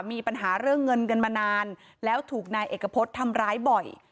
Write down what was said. มีปัญหาเรื่องเงินกันมานานแล้วถูกนายเอกพฤษทำร้ายบ่อย